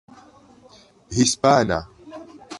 hispana